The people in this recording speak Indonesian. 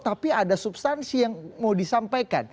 tapi ada substansi yang mau disampaikan